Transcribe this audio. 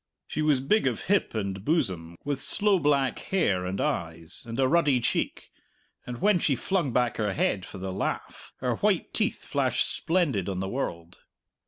She was big of hip and bosom, with sloe black hair and eyes, and a ruddy cheek, and when she flung back her head for the laugh her white teeth flashed splendid on the world.